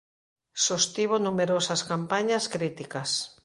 Sostivo numerosas campañas críticas.